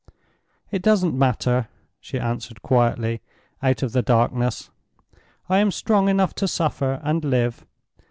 "It doesn't matter," she answered quietly, out of the darkness. "I am strong enough to suffer, and live.